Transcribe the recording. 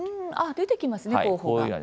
出てきますね候補が。